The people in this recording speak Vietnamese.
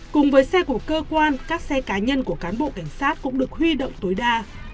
cùng với xe của cơ quan các xe cá nhân của cán bộ cảnh sát cũng được huy động tối đa